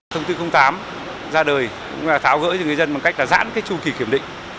thông tin tám ra đời tháo gỡ cho người dân bằng cách giãn chu kỳ kiểm định